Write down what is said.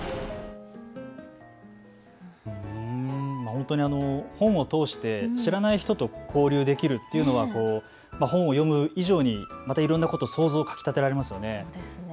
本当に本を通して知らない人と交流できるというのは本を読む以上にまたいろんなこと、想像をかきたてられますよね。